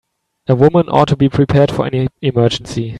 A woman ought to be prepared for any emergency.